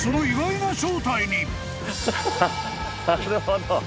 なるほど。